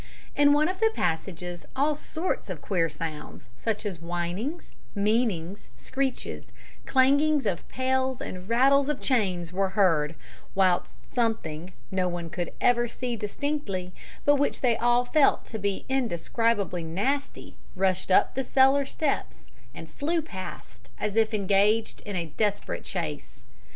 In one of the passages all sorts of queer sounds, such as whinings, meanings, screeches, clangings of pails and rattlings of chains, were heard, whilst something, no one could ever see distinctly, but which they all felt to be indescribably nasty, rushed up the cellar steps and flew past, as if engaged in a desperate chase.